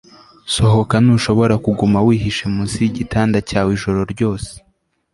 Sohoka Ntushobora kuguma wihishe munsi yigitanda cyawe ijoro ryose